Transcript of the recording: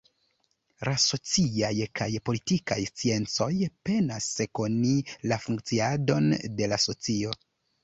La sociaj kaj politikaj sciencoj penas koni la funkciadon de la socio.